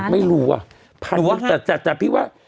ไม่รู้อะแต่พิว่า